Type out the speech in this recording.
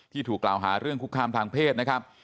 ถูกกล่าวหาเรื่องคุกคามทางเพศนะครับ